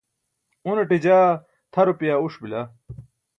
unaṭe jaa tʰa rupaya uṣ bila